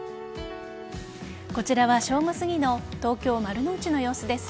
こちらは正午すぎの東京・丸の内の様子です。